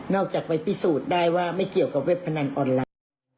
จากไปพิสูจน์ได้ว่าไม่เกี่ยวกับเว็บพนันออนไลน์